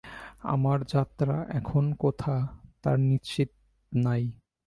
আমার যাত্রা এখন কোথা, তার নিশ্চিত নাই।